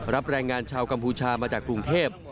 แรงงานชาวกัมพูชามาจากกรุงเทพ